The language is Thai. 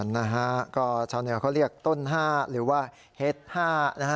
นะฮะก็ชาวเหนือเขาเรียกต้นห้าหรือว่าเฮ็ดห้านะฮะ